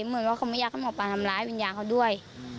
เหมือนว่าเขาไม่อยากให้หมอปลาทำร้ายวิญญาณเขาด้วย